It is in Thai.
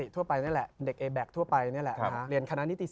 ตั้งแต่ตอนไหน